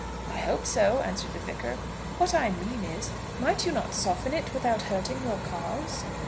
"I hope so," answered the Vicar. "What I mean is, might you not soften it without hurting your cause?"